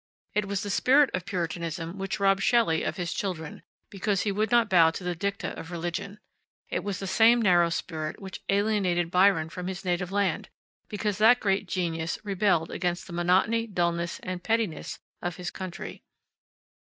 It was the spirit of Puritanism which robbed Shelley of his children, because he would not bow to the dicta of religion. It was the same narrow spirit which alienated Byron from his native land, because that great genius rebelled against the monotony, dullness, and pettiness of his country.